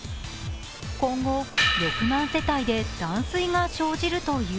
今後６万世帯で断水が生じるという。